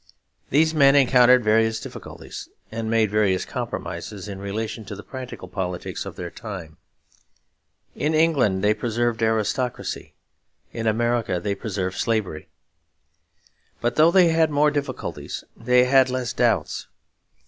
These men encountered various difficulties and made various compromises in relation to the practical politics of their time; in England they preserved aristocracy; in America they preserved slavery. But though they had more difficulties, they had less doubts.